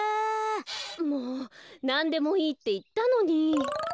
「なんでもいい」っていったのに！